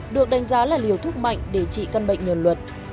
được đánh giá là liều thúc mạnh để trị căn bệnh nhuận luật